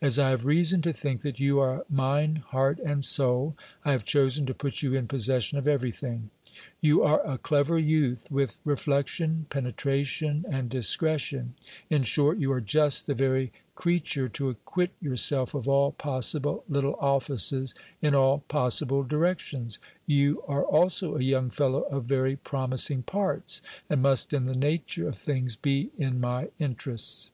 As I have reason to think that you are mine heart and soul, I have chosen to put you in possession of everything. You are a clever youth ; with reflection, penetration, and discretion : in short, you are just the very crea ture to acquit yourself of all possible little offices in all possible directions ; you are also a young fellow of very promising parts, and must in the nature of things be in my interests.